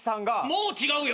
もう違うよ！